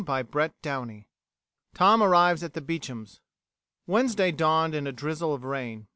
CHAPTER FIVE TOM ARRIVES AT THE BEECHAM'S Wednesday dawned in a drizzle of rain.